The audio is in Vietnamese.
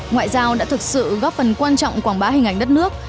ngoại giao đã thực sự góp phần quan trọng quảng bá hình ảnh đất nước